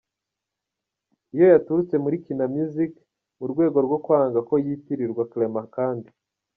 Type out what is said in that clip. iyo yaturutse muri Kina Music mu rwego rwo kwanga ko yitirirwa Clement kandi.